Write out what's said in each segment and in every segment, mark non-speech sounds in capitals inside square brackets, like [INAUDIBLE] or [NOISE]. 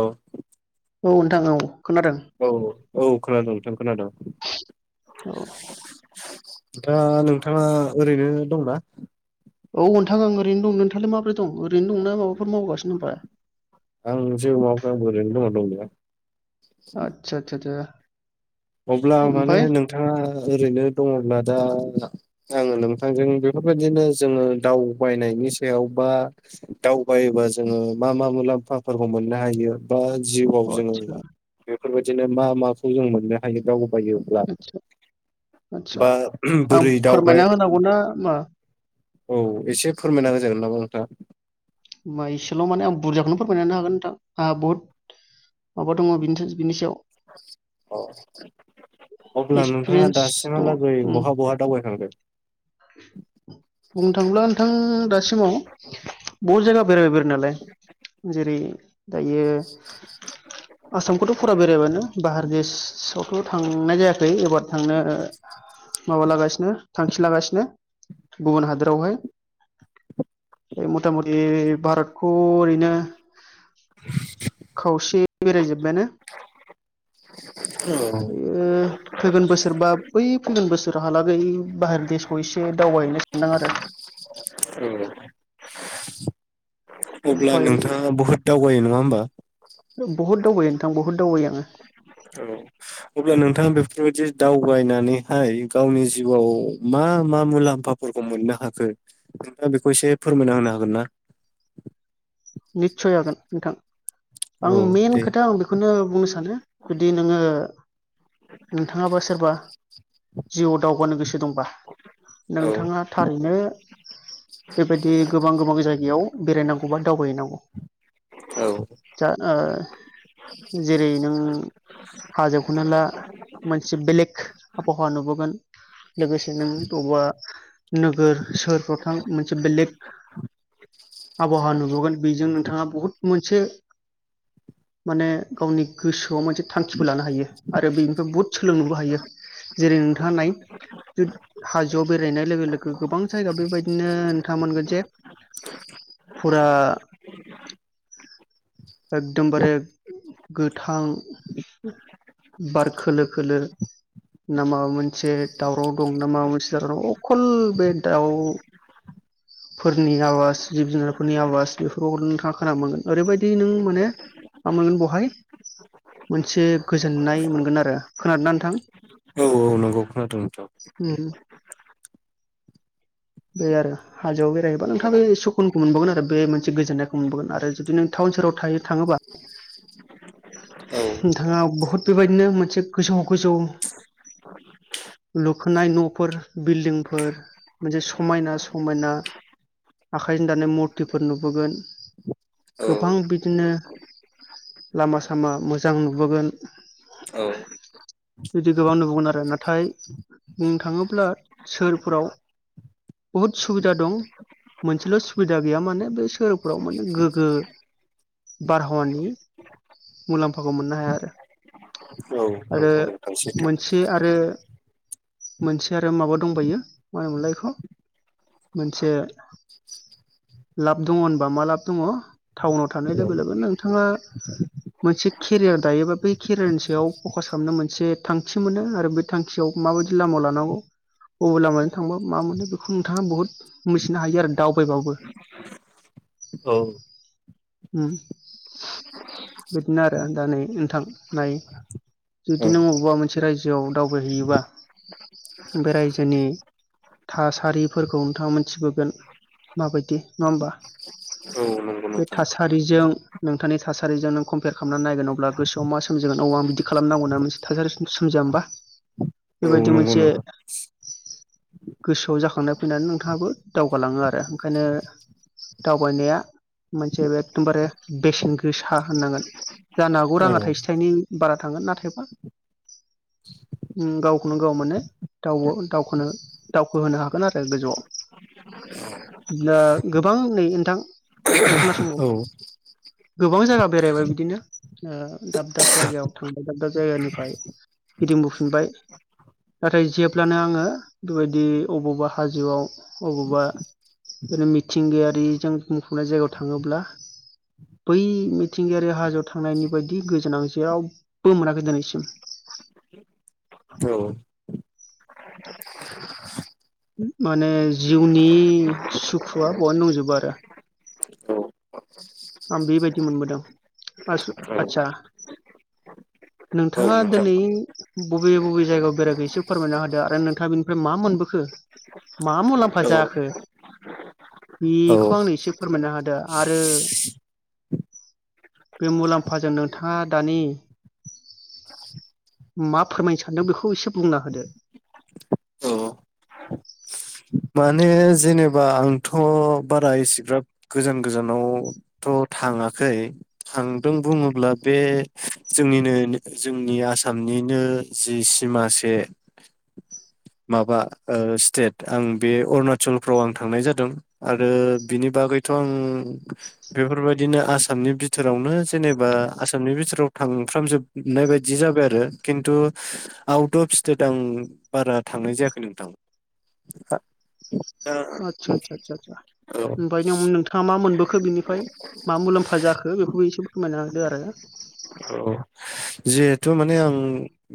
औ औ नोंथां औ खोनादों औ औ खोनादोंं नोंथां खोनादों औ दा नोंथाङा ओरैनो दंना औ नोंथां आं ओरैनो दं नोंथाङालाय माबोरै दं ओरैनो दंना माबाफोर मावगासिनो होनबा आं जेबो मावाखै आंबो ओरैनो दं दंनाया आतसा आतसा आ अब्ला माने नोंथाङा ओरैनो दङब्ला दा आङो नोंथांजों बेफोरबायदिनो जोङो दावबायनायनि सायाव बा दावबायोबा जोङो मा मा मुलाम्फाफोरखौ मोननो हायो बा जिउआव जोङो आदसा बेफोरबायदि बिदिनो मा माखौ जों मोननो हायो दावबायोब्ला आदसा आदसा बा आं बोरै दावबाय फोरमायना होनांगौना मा औ एसे फोरमायना होजागोन नामा [UNINTELLIGIBLE] मा इसेल' माने आं बुरजाखौनो फोरमायनो हागोन नोंथां आंहा बुहुत माबा दङ बिनि बिनि सायाव अब्ला नोंथाङा एक्सपिरियेन्स दङ दासिमहालागै उम बहा बहा दावबायखांदों बुंनो थाङोब्ला नोंथां दासिमाव बहुद जायगा बेरायबाय बेरायो नालाय जेरै दायो आसामखौथ' फुरा बेरायबायानो बारदेशआवथ' थांनाय जायाखै एबार थांनो माबा लागासिनो थांखि लागासिनो गुबुन हादोरावहाय मथा मथि भारतखौ ओरैनो खावसे बेरायजोब बायानो औ ओ फैगोन बोसोरबा बै फैगोन बोसोर उनहालागै बाहारदेशखौ एसे दावबायहैनो सानदों आरो। [UNINTELLIGIBLE] अब्ला ओमफ्राय नोंथाङा बुहुद दावबायो नङा होमबा? बुहुद दावबायो नोंथां बहुद दावबायो आङो। अब्ला नोंथाङा बेफोरबायदि दावबायनानैहाय गावनि जिउआव मा मा मुलाम्फाफोरखौ मोननो हाखो नोंथाङा बेखौ एसे फोरमायना होनो हागोन ना? निस्सय हागोन नोंथां औ आं मइेन दे खोथा आं बेखौनो बुंनो सानो जुदि नोङो नोंथाङाबा सोरबा जिउआव दावगानो गोसो दंबा औ नोंथाङा थारैनो बेबायदि गोबां गोबां जायगायाव बेरायनांगौबा [UNINTELLIGIBLE] औ जा ओ जेरै नों हाजो खौनो ला मोनसे बेलेग आबहावा नुबोगोन लोगोसे नों बबावबा नोगोर सोहोरफ्राव थां मोनसे बेलेग आबहावा नु गोन बेजों नोंथाङा बुहुद मोन से माने गावनि गोसोआव मोनसे थांखिबो लानो हायो आरो बेनिफ्राय बहुद सोलोंनोबो हायो। जेरै नोंथाङा नाय हाजोआव बेरायनाय लोगो लोगो गोबां जायगा बेबायदिनो नोंथाङा मोनगोन जे [UNINTELLIGIBLE] [UNINTELLIGIBLE] एकदमबारे गोथां बार खोलो खोलो ना माबा मोनसे दावराव दं ना माबा मोनसे दावराव [UNINTELLIGIBLE] अखल बे दाउ फोरनि आवाज जिब-जुनार नि आवाज बेफोरावबो नोंथाङा खोनानो मोनगोन ओरैबायदि नों माने मा मोनगोन बहाय मोनसे गोजोननाय मोनगोन आरो खोनादोंना नोंथां? औ नंगौ खोनादों नोंथां। बे आरो हाजोआव [UNINTELLIGIBLE] जेनेबा नोंथां बे सुकुन मोनबावगोन आरो बे मोनसे गोजोन्नायखौ मोनबोवगोन आरो जुदि नों टाउन सेराव थायो थाङोबा औ नोंथाङा ब हुत बेबायदिनो मोनसे गोजौ गोजौ लुखोनाय न'फोर बिल्दिंफोर मोनसे समायना समायना आखाय जों दानाय मुरथिफोर नुबोगोन औ गोबां बिदिनो लामा सामा मोजां नुबोगोन औ बिदि गोबां नुबोगोन आरो नाथाय बुंनो थाङोब्ला सोहोरफोराव बुहुद सुबिदा दं मोनसेल' सुबिदा गैया माने बे सोहोरफ्राव माने गोगो बारहावानि मुलाम्फाखौ मोननो हाया आरो। औ आरो नंगौ नोंथां सैथो मोनसे आरो मोनसे आरो माबा दंबायो मा होनोमोनलाय एखौ मोनसे लाब दङ होनबा मा लाब दङ टाउनाव थानाय लोगो लोगो नोंथाङा मोनसे केरियार दायोबा बे केरियारनि सायाव फकास खालामनो मोनसे थांखि मोनो आरो बे थांखियाव माबायदि लामा लानांगौ अबे लामाजों थांबा मा मोनो बेखौ नोंथाङा बुहुत मिथिनो हायो आरो दावबायबाबो। औ। उम बिदिनो आरो आ दा नै नोंथां नाय औ जुदि नों अबेबा मोनसे रायजोआव दावबायहैयोबा बे रायजोनि थासारिफोरखौ नोंथाङा मोनथिबोगोन माबायदि नङा होनबा औ नंगौ बे नोंथां थासारिजों नोंथांनि थासारिजों नों कम्पेयार खालामनानै नायगोन अब्ला गोसोआव मा सोमजिगोन औ आं बिदि खालामनांगौ होन मोनसे थासारि सोमजिया होमबा औ बेबायदि नंगौ मोनसे नोंथां गोसोआव जाखांनाय फैनानै नोंथाङाबो दावगालाङो आरो ओंखायनो दावबायनाया मोनसे एखदमबारे बेसेन गोसा होननांगोन जानो हागौ औ राङा थाइसे थाइनै बारा थांगोन नाथायबा गावखौनो गाव माने दावब-दावखोनो-दावखोहोनो हागोन आरो गोजौआव दा गोबां नै नोंथां आरो खोनासं बाव औ गोबां जायगा बेरायबाय बिदिनो ओ दाब दाब जायगायाव थांबाय दाब दाब जायगानिफ्राय गिदिंबोफिनबाय नाथाय जेब्लानो आङो बेबायदि अबावबा हाजोआव अबावबा बिनो मिथिंगायारिजों [UNINTELLIGIBLE] फबनाय जायगायाव थाङोब्ला बै मिथिंगायारि हाजोआव थांनायनि बायदि गोजोन आं जेरावबो मोनाखै दिनैसिम औ माने जिउनि सुखुआ बहायनो दंजोबो आरो औ आं बेबायदि मोनबोदों आदसा आदसा औ नोंथाङा नोंथां दिनै बबे बबे जायगायाव बेरायखो एसे फोरमायना होदो आरो नोंथाङा बेनिफ्राय मा मोनबोखो मा मुलाम्फा औ जायाखो औ बेखौ आंनो एसे फोरमायनो हादो आरो बे मुलाम्फाजों नोंथाङा दानि मा फोरमायनो सानदों बेखौ एसे बुंना होदो औ माने जेनेबा आंथ' बारा इसेग्राब गोजान गोजानावथ' थाङाखै थांदों बुङोब्ला बे जोंनिनो जोंनि आसामनिनो जि सिमासे माबा ओ स्टेट आं बे अरुणाचलफ्राव आं थांनाय जादों आरो बिनि बागैथ' आं बेफोरबायदिनो आसामनि बिथोरावनो जेनेबा आसामनि बिथोराव थांफ्रामजोबनाय बायदि जाबाय आरो खिन्थु आउट अफ स्टेट आं बारा थांनाय जायाखै नोंथां [INAUDIBLE] [UNINTELLIGIBLE] आदसा आदसा आदसा औ ओमफ्राय नों नोंथाङा मा मोनबोखो बिनिफ्राय मा मुलाम्फा जाखो बेखौबो एसे फोरमायना होदो आरो थ' माने आं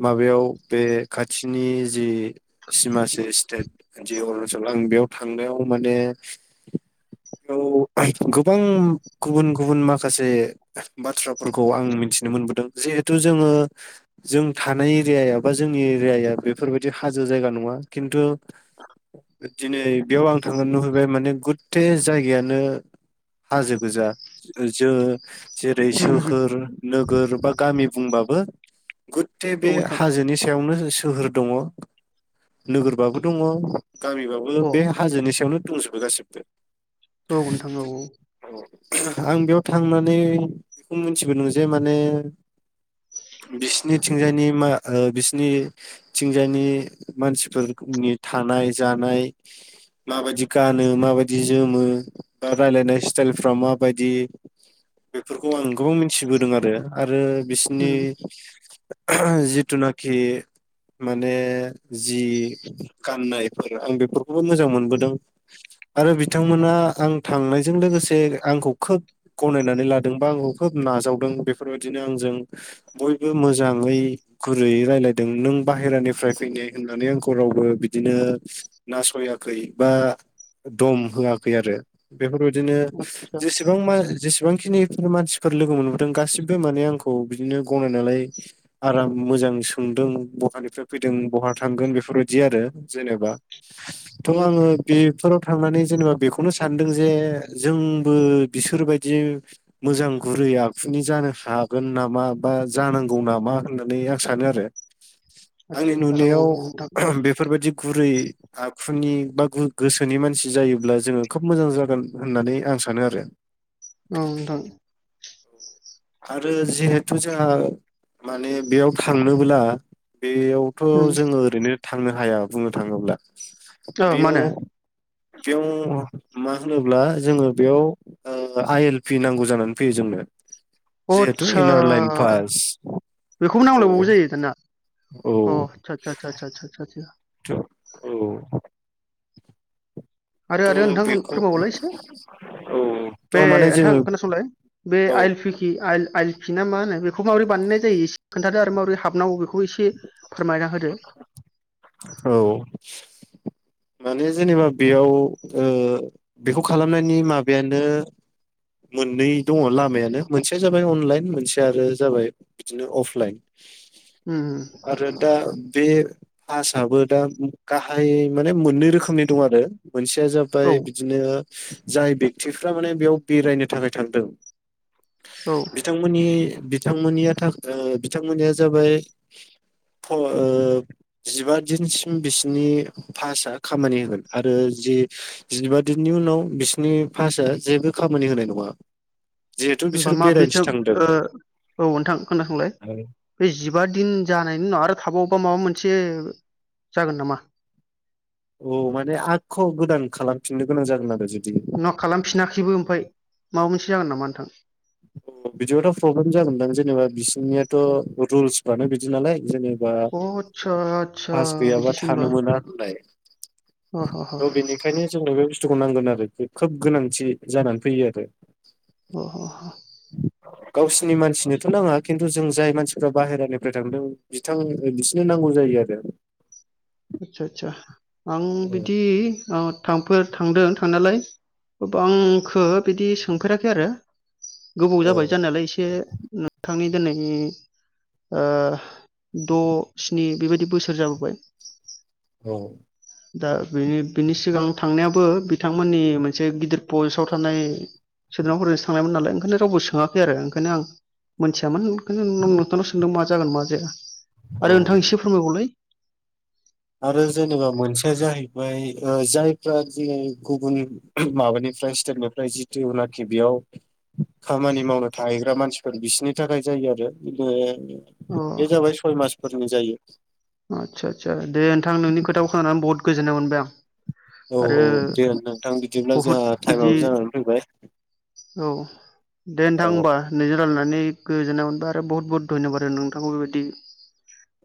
माबायाव बे खाथिनि जि सिमासे स्टेट जि आं बेयाव थांनायाव माने बेयाव गोबां गुबुन गुबुन माखासे बाथ्राफोरखौ आं मिथिनो मोनबोदों जिहेथु जोङो जों थानाय एरियाया बा जोंनि एरियाया बेफोरबायदि हाजो जायगा नङा खिन्थु दिनै बेयाव आं थांनो नुहैबाय माने गुथे जायगायानो हाजो गोजा जो जेरै उम उम सोहोर नोगोर बा गामि बुंबाबो गुथथे औ बे नोंथां हाजोनि सायावनो सोहोर दङ नोगोरबाबो दङ गामिबाबो अ बे हाजोनि सायावनो दंजोबो गासिबो औ नोथां औ औ आं बेयाव थांनानै बेखौ मिथिबोदों जे माने बिसिनिथिंजायनि मा ओ बिसिनिथिंजायनि मानसिफोरनि थानाय जानाय माबायदि गानो माबायदि जोमो बा रायलायनाय स्टाइल फ्रा माबायदि बेफोरखौ आं गोबां मिथिबोदों आरो आरो बिसिनि उम ओहम जिथुनाखि माने जि गाननाय आं बेफोरखौबो मोजां मोनबोदों आरो बिथांमोना आं थांनायजों लोगोसे आंखौ खोब गनायनानै लादों बा आंखौ खोब नाजावदों बेफोरबायदिनो आंजों बयबो मोजाङै गुरैयै रायलायदों नों बाहेरानिफ्राय फैनाय होननानै आंखौ रावबो बिदिनो नास'याखै बा दम होआखै आरो बेफोरबायदिनो आदसा जेसेबां मा जेसे बांखिनि मानसिफोर लोगो मोनबोदों गासिबो माने आंखौ बिदिनो गनायना लायो आराम मोजां सोंदों बहानिफ्राय फैदों बहा थांगोन बेफोरबायदि आरो जेनेबा थ' आङो बेफोराव थांनानै जेनेबा बेखौनो सानदों जे जोंबो बिसोरबायदि मोजां गुरै आखुनि जानो हागोन नामा बा जानांगौ नामा होननानै आं सानो आरो आंनि आदसा आदसा औ नुनायाव नोंथां ओह बेफोरबायदि गुरै आखुनि बा गो गोसोनि मानसि जायोब्ला जोङो खोब मोजां जागोन होननानै आं सानो आरो औ नोंथां आरो जिहेथु जोंहा माने बेयाव थांनोब्ला बेयावथ' उम जोङो ओरैनो थांनो हाया बुंनो थाङोब्ला औ बेयाव माने बेयाव मा होनोब्ला जोङो बेयाव ओ आइ एल पि नांगौ जानानै फैयो जोंनो अ जिहेथु आदचा इनार लाइन पास बेखौबो औ नांलायबावगौ जायो दाना औ अ आदसा सा सा सा सा [INAUDIBLE] [INAUDIBLE] औ। आरो आरो थ' नोंथांमोन बेखौ फोरमायबावलाय एसे औ बे थ' माने ओनथां जोङो खोनासंलाय बे औ आइल पिकि आइल आइल खिना मा होनो बेखौ माबोरै बानायनाय जायो एसे खोन्थादो आरो माबोरै हाबनांगौ बेखौ एसे फोरमायना होदो। औ। माने जेनेबा बेयाव ओ बेखौ खालामनायनि माबायानो [INAUDIBLE] मोननै दङ लामायानो मोनसेया जाबाय अनलाइन मोनसे आरो जाबाय बिदिनो अफलाइन। उम आरो दा बे आसआबो दा गाहाय माने मोननै रोखोमनि दं आरो। मोनसेया जाबाय औ बिदिनो जाय बेक्टिफ्रा माने बेयाव बेरायनो थाखाय थांदों। होनबा बिथांमोननि बिथांमोननिया थाग ओ बिथांमोननिया जाबाय फ ओ जिबा दिनसिम बिसिनि पासआ खामानि होगोन आरो जि जिबा दिननि उनाव बिसिनि पासआ जेबो खामानि होनाय नङा। जिहेथु होमबा बिसोर बेरायनोसो माब्रैथो थांदों ओ औ ओनथां खोनासंलाय ओइ जिबा दिन जानायनि उनाव आरो थाबाव ख माबा मोनसे जागोन नामा? औ माने आख' गोदान खालामफिननो गोनां जागोन आरो जों। न' खालामफिनाखैबो ओमफाय। माबा मोनसे जागोन नामा नोंथां? अ बिदिबाथ' प्रब्लेम जागोन दां जेनेबा बिस नियाथ' रुलस फ्रानो बिदि नालाय जोङो बा अ आदसा आदसा पास गैयाबा बिदिसो होमबा थानो मोना होनलाय। अ ह ह थ' बेनिखायनो जोंनो बे बुस स्थुखौ नांगोन आरो बे खोब गोनांथि जानानै फैयो आरो। अ अ ह। गावसिनि मानसिनोथ' नाङा खिन्थु जों जाय मानसिफ्रा बाहेरानिफ्राय थांदों बिथां ओ बिसिनो नांगौ जायो आरो। आतसा आतसा। आं बिदि अ थामफोर थांदों। खा नालाय गोबांखो बिदि सोंफेराखै आरो। गोबाव औ जाबाय जानायालाय इसे। थांनि दोनै ओ द' स्नि बेबायदि बोसोर जाबोबाय। औ औ। दा बिनि बिनि सिगां थांनायाबो बिथांमोननि मोनसे गिदिर पस्टआव थानाय सोद्रोमाफोरजोंसो थांनायमोन नालाय ओंखायनो रावबो सोङाखै आरो ओंखायनो आं मोनथियामोन ओंखायनो नो-नोंथांनाव सोंदों मा जागोन मा जाया। औ आरो नोंथां एसे फोरमायबावलाय। आरो जेनेबा मोनसेया जाहैबाय ओ जायफ्रा जि गुबुन माबानिफ्राय स्टेटनिफ्राय जितुनाखि बेयाव खामानि मावनो थाहैग्रा मानसिफोर बिसोरनि थाखाय जायो आरो बि अ बे जाबाय सय मास फोरोंनाय जायो। आतसा सा दे नोंथांनोंनि खोथाखौ खोनानानै बहुद गोजोन्नाय मोनबाय आं। औ आरो औ दे नोंथां बिदिब्ला बहुद जोंहा बिदि टाइमाबो जानानै फैबाय औ दे औ नोंथां होमबा नोंजों रायलायनानै गोजोन्नाय मोनबाय आरो बहुत बुहुत धन्यबाद आरो नोंथांखौ बेबायदि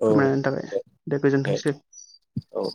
औ फोरमान होनायनि थाखाय। दे गोजोनथोंसै। औ